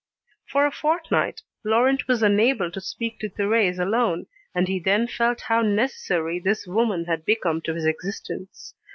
For a fortnight Laurent was unable to speak to Thérèse alone, and he then felt how necessary this woman had become to his existence.